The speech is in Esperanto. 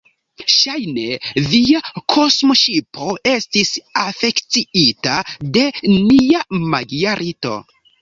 Ŝajne, via kosmoŝipo estis afekciita de nia magia rito.